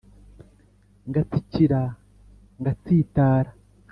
ngatsikira ngatsitara